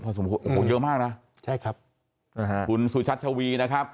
สมคโอ้โหเยอะมากนะใช่ครับนะฮะคุณสุชัชวีนะครับ